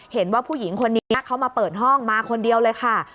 เห็นว่าผู้หญิงคนนี้เขามาเปิดห้องมาคนเดียวเลยค่ะ